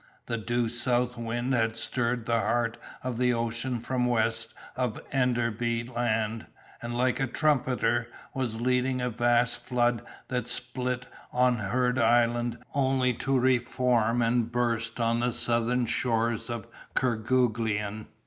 The due south wind had stirred the heart of the ocean from west of Enderby land, and, like a trumpeter, was leading a vast flood that split on Heard Island only to re form and burst on the southern shores of Kerguelen.